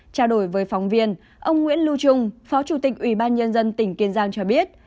trao đổi với phóng viên ông nguyễn lưu trung phó chủ tịch ủy ban nhân dân tỉnh kiên giang cho biết